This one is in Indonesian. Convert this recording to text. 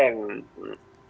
itu yang perlu kita beri tahu